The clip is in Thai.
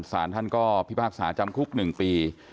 สารท่านก็พิพากษาจำคุก๑ปี